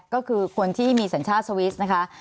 ก็คือคนที่มีสัญชาติสวิสนะคะ